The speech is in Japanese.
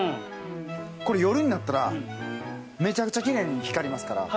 これ夜になったらめちゃくちゃ奇麗に光りますから。